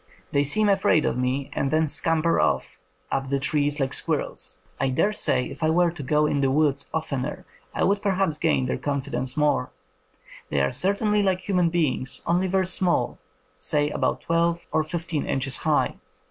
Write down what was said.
They seem afraid of me, and then scamper off up the trees like squirrels. I dare say if I were to go in the woods oftener I would perhaps gain their confi dence more. They are certainly like human beings, only very small, say about twelve or fifteen inches high.